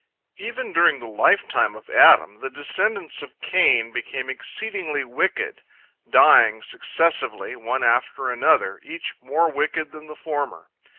Even during the lifetime of Adam the descendants of Cain became exceedingly wicked, dying successively, one after another, each more wicked than the former.